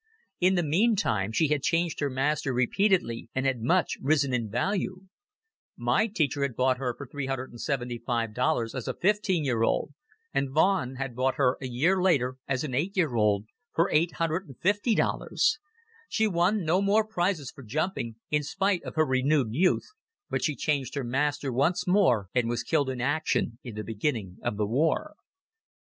In the meantime, she had changed her master repeatedly, and had much risen in value. My teacher had bought her for $375., as a fifteen year old, and von Tr had bought her a year later, as an eight year old, for $850. She won no more prizes for jumping, in spite of her renewed youth, but she changed her master once more and was killed in action in the beginning of the war.